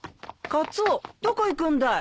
カツオどこ行くんだい？